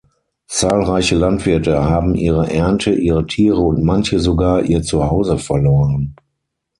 Zahlreiche Landwirte haben ihre Ernte, ihre Tiere und manche sogar ihr Zuhause verloren.